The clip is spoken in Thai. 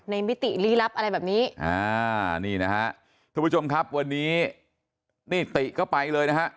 มิติลี้ลับอะไรแบบนี้อ่านี่นะฮะทุกผู้ชมครับวันนี้นี่ติก็ไปเลยนะฮะ